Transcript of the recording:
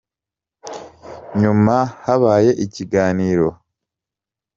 nyuma habaye ikiganiro.